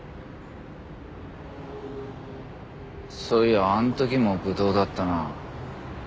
そういえばあの時もぶどうだったな。